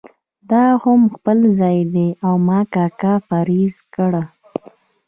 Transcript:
دا هم خپل ځای دی او ما کاکا فرض کړه.